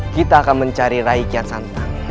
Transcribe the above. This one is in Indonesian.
kita akan mencari raikian santang